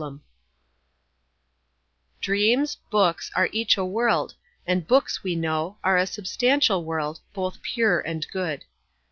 SHARPE'S LONDON MAGAZINE Dreams, books, are each a world; and books, we know, Are a substantial world, both pure and good.